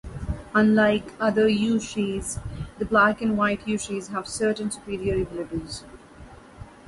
Unlike the other Yoshis, the black and white Yoshis have certain superior abilities.